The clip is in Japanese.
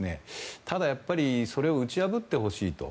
ただ、やっぱりそれを打ち破ってほしいと。